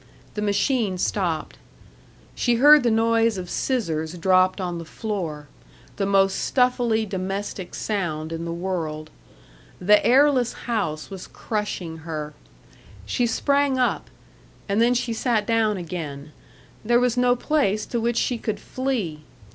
The machine stopped. She heard the noise of scissors dropped on the floor the most stuffily domestic sound in the world. The airless house was crushing her. She sprang up and then she sat down again. There was no place to which she could flee.